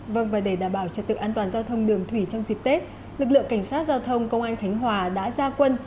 vâng và để đảm bảo trật tự an toàn giao thông đường thủy trong dịp tết lực lượng cảnh sát giao thông công an khánh hòa đã ra quân